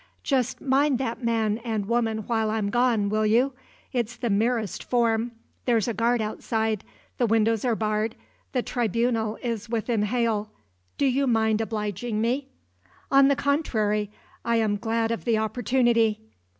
Just mind that man and woman while I'm gone, will you? It's the merest form there's a guard outside, the windows are barred, the tribunal is within hail. Do you mind obliging me?" "On the contrary, I am glad of the opportunity."